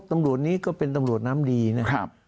ตำรวจนี้ก็เป็นตำรวจน้ำดีนะครับ